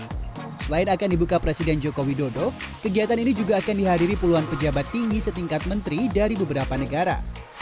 selain akan dibuka presiden joko widodo kegiatan ini juga akan dihadiri puluhan pejabat tinggi setingkat menteri dari beberapa negara